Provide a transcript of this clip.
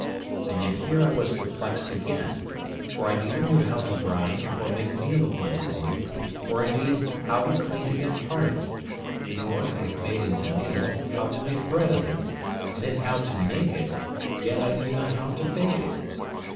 And yet here I was perplexed again, for I neither knew how to grind or make meal of my corn, or indeed how to clean it and part it; nor, if made into meal, how to make bread of it; and if how to make it, yet I knew not how to bake it.